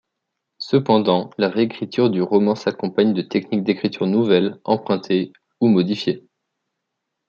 Cependant, la réécriture du roman s’accompagne de techniques d’écriture nouvelles, empruntées ou modifiées.